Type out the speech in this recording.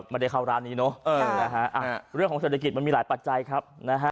มาได้เข้าร้านนี้เนอะเออนะฮะอ่าเรื่องของเศรษฐกิจมันมีหลายปัจจัยครับ